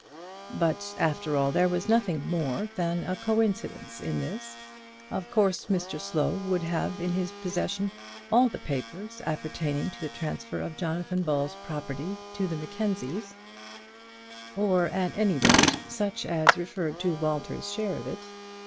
But, after all, there was nothing more than a coincidence in this. Of course Mr Slow would have in his possession all the papers appertaining to the transfer of Jonathan Ball's property to the Mackenzies; or, at any rate, such as referred to Walter's share of it.